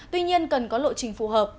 tuy nhiên cần có lộ trình phù hợp